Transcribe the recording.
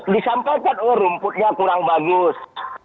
disampaikan oh rumputnya kurang bagus